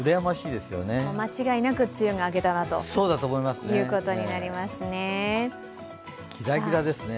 間違いなく梅雨が明けたということですね。